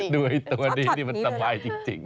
ด้วยตัวดีที่มันสบายจริง